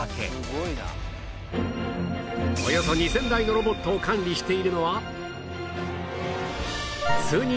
およそ２０００台のロボットを管理しているのは